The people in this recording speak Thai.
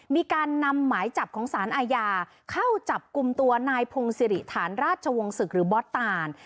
มีการนำหมายจับของสารอาญาเข้าจับกลุ่มตัวนายพงศิริฐานราชวงศึกหรือบอสตาน